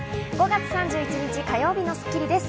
５月３１日、火曜日の『スッキリ』です。